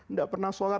nggak pernah sholat